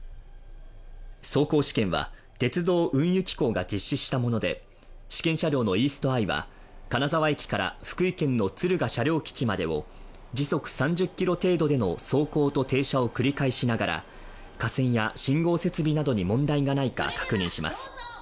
走行試験は鉄道・運輸機構が実施したもので試験車両のイーストアイは金沢駅から福井県の敦賀車両基地までを時速３０キロ程度での走行と停車を繰り返しながら架線や信号設備などに問題がないか確認します